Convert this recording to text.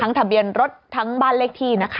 ทะเบียนรถทั้งบ้านเลขที่นะคะ